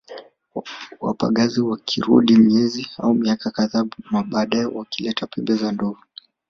Wapagazi wakarudi miezi au miaka kadhaa baadae wakileta pembe za ndovu